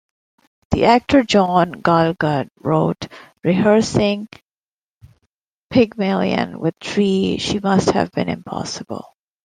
The actor John Gielgud wrote, "Rehearsing "Pygmalion" with Tree she must have been impossible.